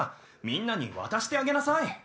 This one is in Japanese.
みんなに渡してあげなさい